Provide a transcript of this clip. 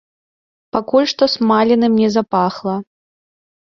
Пакуль што смаленым не запахла.